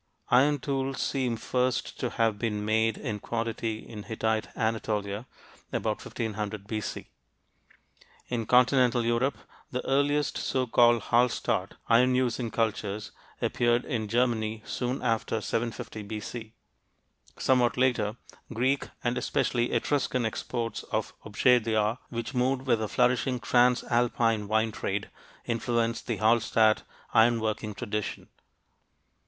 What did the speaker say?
Iron tools seem first to have been made in quantity in Hittite Anatolia about 1500 B.C. In continental Europe, the earliest, so called Hallstatt, iron using cultures appeared in Germany soon after 750 B.C. Somewhat later, Greek and especially Etruscan exports of objets d'art which moved with a flourishing trans Alpine wine trade influenced the Hallstatt iron working tradition.